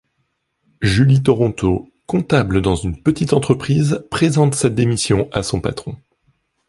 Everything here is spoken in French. Julie Toronto, comptable dans une petite entreprise, présente sa démission à son patron.